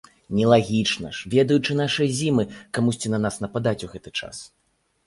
Нелагічна ж, ведаючы нашыя зімы, камусьці на нас нападаць у гэты час!